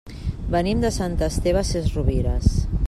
Venim de Sant Esteve Sesrovires.